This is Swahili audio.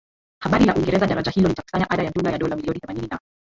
habari la Uingereza daraja hilo litakusanya ada ya jumla ya dola milioni themanini na